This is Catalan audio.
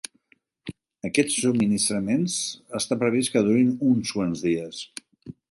Aquests subministraments està previst que durin uns quants dies.